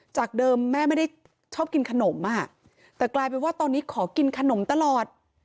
จากเดิมแม่ไม่ได้ชอบกินขนมอ่ะแต่กลายเป็นว่าตอนนี้ขอกินขนมตลอด